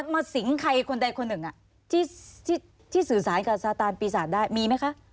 มาสิงใครคนใดคนหนึ่งที่สื่อสารกับซาตานปีศาจได้มีไหมคะ